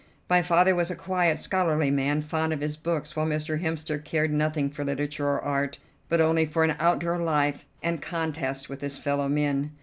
My father was a quiet, scholarly man, fond of his books, while Mr. Hemster cared nothing for literature or art, but only for an outdoor life and contest with his fellow men.